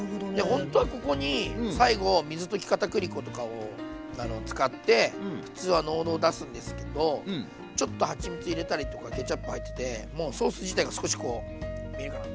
ほんとはここに最後水溶きかたくり粉とかを使って普通は濃度を出すんですけどちょっとはちみつ入れたりとかケチャップ入っててもうソース自体が少しこう見えるかな？